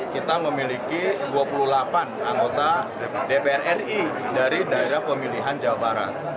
kita memiliki dua puluh delapan anggota dpr ri dari daerah pemilihan jawa barat